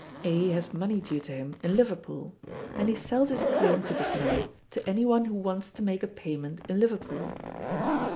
A has money due to him in Liverpool, and he sells his claim to this money to any one who wants to make a payment in Liverpool.